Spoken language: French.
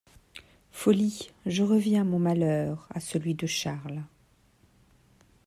Folie! je reviens à mon malheur, à celui de Charles.